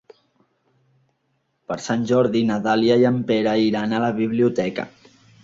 Per Sant Jordi na Dàlia i en Pere iran a la biblioteca.